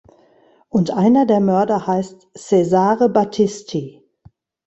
Und einer der Mörder heißt Cesare Battisti.